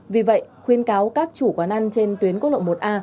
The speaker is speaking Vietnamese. vì vậy khuyên cáo các chủ quán ăn trên tuyến quốc lộ một a